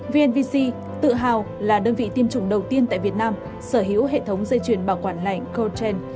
vnvc tự hào là đơn vị tiêm chủng đầu tiên tại việt nam sở hữu hệ thống dây chuyền bảo quản lạnh covid một mươi chín